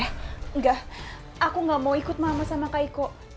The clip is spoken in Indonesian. enggak aku enggak mau ikut mama sama kak iko